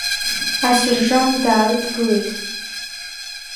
Асержант даарыдгылеит.